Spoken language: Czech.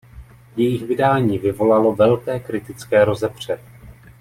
Jejich vydání vyvolalo velké kritické rozepře.